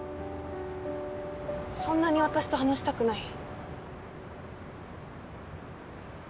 そんなに私と話したくない？